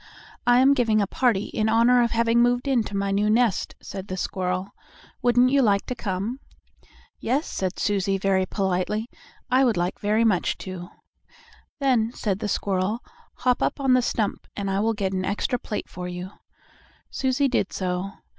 "I am giving a party in honor of having moved into my new nest," said the squirrel. "Wouldn't you like to come?" "Yes," said Susie very politely, "I would like very much to." "Then," said the squirrel, "hop up on the stump, and I will get an extra plate for you." Susie did so.